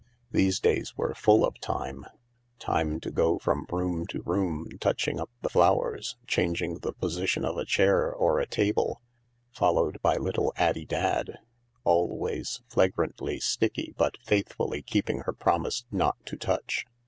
These days were full of time — time to go from room to room, touching up the flowers, changing the position of a chair or a table, followed by little Addie Dadd, always flagrantly sticky but faithfully keeping her promise " not to touch."